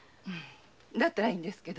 だったらいいんですけど。